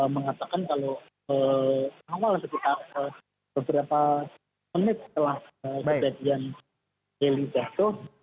mengatakan kalau awal sekitar beberapa menit setelah kejadian heli jatuh